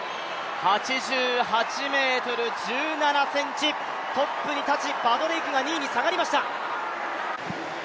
８８ｍ１７ｃｍトップに立ち、バドレイクが２位に下がりました。